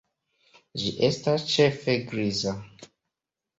Ĝi estas ĉefe griza.